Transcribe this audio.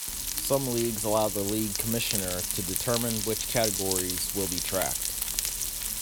Some leagues allow the league "commissioner" to determine which categories will be tracked.